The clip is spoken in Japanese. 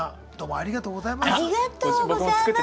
ありがとうございます！